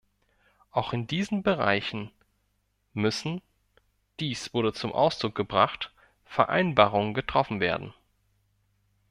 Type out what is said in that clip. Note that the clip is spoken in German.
Auch in diesen Bereichen müssen dies wurde zum Ausdruck gebracht Vereinbarungen getroffen werden.